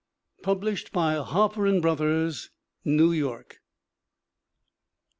Published by Harper & Brothers, New York.